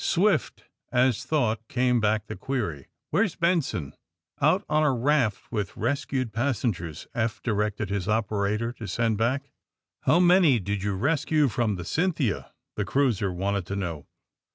Swift as thought came back the query: '^Where's Benson?" *'Out on a raft with rescued passengers," Eph;| directed his operator to send back. AND THE SMUGGLEKS 145 ^*IIow many did yon rescne from the * Cyn thia T' the crniser wanted to know.